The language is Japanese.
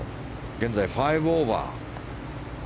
現在５オーバー。